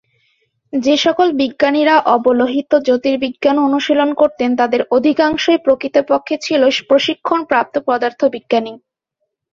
যে সকল বিজ্ঞানীরা অবলোহিত জ্যোতির্বিজ্ঞান অনুশীলন করতেন, তাঁদের অধিকাংশই প্রকৃতপক্ষে ছিল প্রশিক্ষণপ্রাপ্ত পদার্থবিজ্ঞানী।